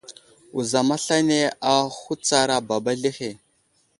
Wuzam aslane ahutsar baba azlehe.